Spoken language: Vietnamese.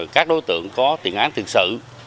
các đối tượng có tiền án tiền sự